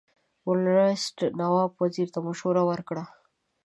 ورلسټ نواب وزیر ته مشوره ورکړه.